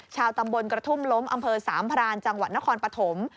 ชาวตำบลกระทุ่มล้มอำเภอสามพรานจังหวัดนครปฐม